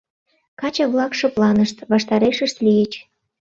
Каче-влак шыпланышт, ваштарешышт лийыч.